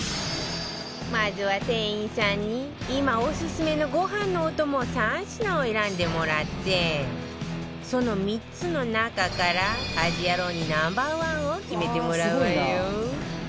まずは店員さんに今オススメのご飯のお供３品を選んでもらってその３つの中から家事ヤロウに Ｎｏ．１ を決めてもらうわよ